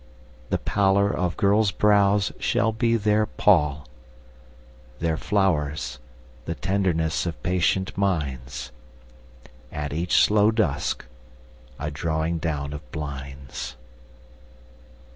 The pallor of girls' brows shall be their pall; Their flowers the tenderness of patient minds, And each slow dusk a drawing down of blinds.